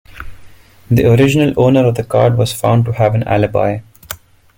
The original owner of the card was found to have an alibi.